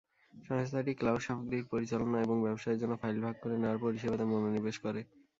সংস্থাটি ক্লাউড সামগ্রীর পরিচালনা এবং ব্যবসায়ের জন্য ফাইল ভাগ করে নেওয়ার পরিষেবাতে মনোনিবেশ করে।